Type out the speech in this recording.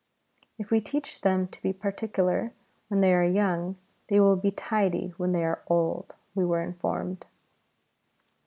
"If we teach them to be particular when they are young, they will be tidy when they are old," we were informed.